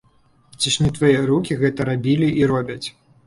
Ці ж не твае рукі гэта рабілі і робяць?